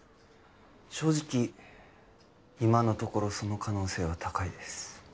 正直今のところその可能性は高いです